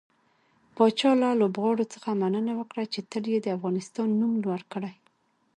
پاچا له لوبغاړو څخه مننه وکړه چې تل يې د افغانستان نوم لوړ کړى.